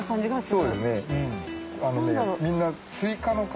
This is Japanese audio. そうですね。